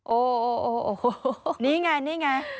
โอโหนี่ไง